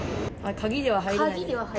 鍵では入れない。